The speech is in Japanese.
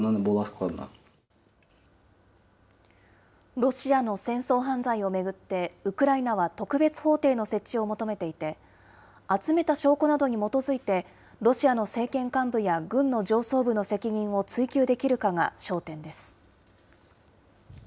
ロシアの戦争犯罪を巡って、ウクライナは特別法廷の設置を求めていて、集めた証拠などに基づいて、ロシアの政権幹部や軍の上層部の責任を追及できるかが焦点です。